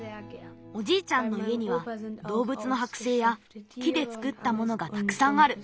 おじいちゃんのいえにはどうぶつのはくせいや木でつくったものがたくさんある。